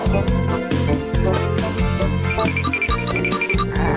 เวลามันเยอะมะนั่นจะเยี่ยมมากดีแก่ค่ะ